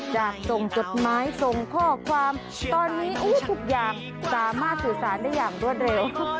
จากส่งจดหมายส่งข้อความตอนนี้ทุกอย่างสามารถสื่อสารได้อย่างรวดเร็ว